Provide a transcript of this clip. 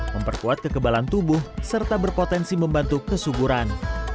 memperkuat kekebalan tubuh serta berpotensi membantu kesuburan